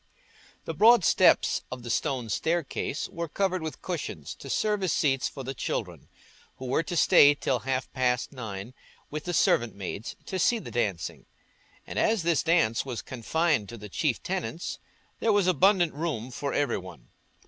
The broad steps of the stone staircase were covered with cushions to serve as seats for the children, who were to stay till half past nine with the servant maids to see the dancing, and as this dance was confined to the chief tenants, there was abundant room for every one.